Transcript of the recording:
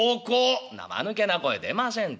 「んなまぬけな声出ませんって。